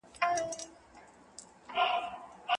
د نوي راټوکېدلو بوټو پاڼې په شمال کې خوځېدې.